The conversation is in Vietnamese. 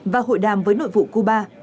và hội đàm với nội vụ cuba